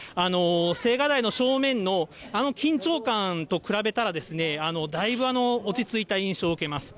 青瓦台の正面のあの緊張感と比べたら、だいぶ落ち着いた印象を受けます。